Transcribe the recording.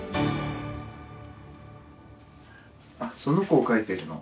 あその子を描いてるの？